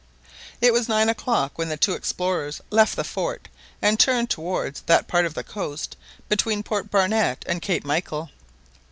It was nine o'clock when the two explorers left the fort and turned towards that part of the coast between Port Barnett and Cape Michael.